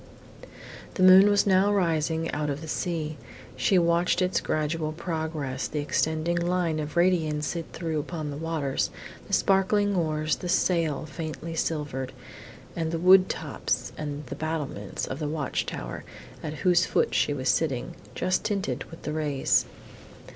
The moon was now rising out of the sea. She watched its gradual progress, the extending line of radiance it threw upon the waters, the sparkling oars, the sail faintly silvered, and the wood tops and the battlements of the watch tower, at whose foot she was sitting, just tinted with the rays.